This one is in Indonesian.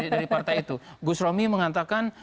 dari partai itu gus romi mengatakan